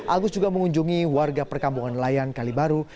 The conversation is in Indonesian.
agus juga mengunjungi warga perkambungan layan kalibaru